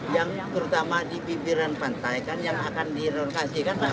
yang terutama di pinggiran pantai kan yang akan direlokasikan pak